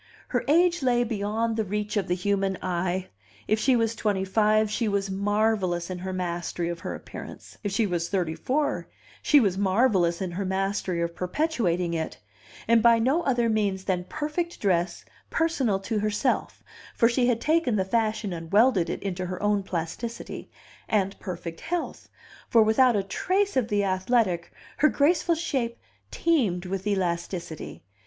Her age lay beyond the reach of the human eye; if she was twenty five, she was marvelous in her mastery of her appearance; if she was thirty four, she was marvelous in her mastery of perpetuating it, and by no other means than perfect dress personal to herself (for she had taken the fashion and welded it into her own plasticity) and perfect health; for without a trace of the athletic, her graceful shape teemed with elasticity.